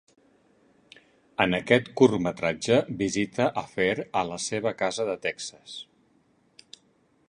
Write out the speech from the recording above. En aquest curtmetratge visita a Fair a la seva casa de Texas.